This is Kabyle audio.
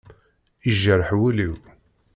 Yejreḥ wul-iw.